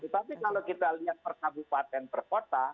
tapi kalau kita lihat per kabupaten per kota